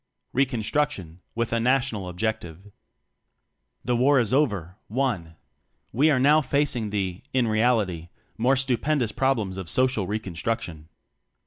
Reconstruction With a National Objective. The War is over won! We are now facing the in reality more stupendous problems of social reconstruction.